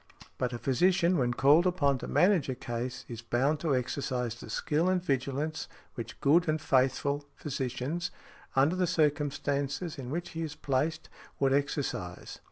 But a physician, when called upon to manage a case, is bound to exercise the skill and vigilance which good and faithful physicians, under the circumstances in which he is placed, would exercise.